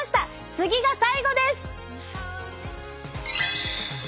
次が最後です！